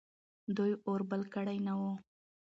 دوی اور بل کړی نه و.